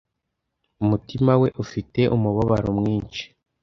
umutima we ufite umubabaro mwinshi